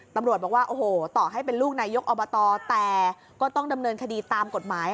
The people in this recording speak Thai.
ตำรวจบอกว่าโอ้โหต่อให้เป็นลูกนายกอบตแต่ก็ต้องดำเนินคดีตามกฎหมาย